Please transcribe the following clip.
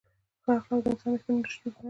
ښه اخلاق د انسان ریښتینې شتمني ده.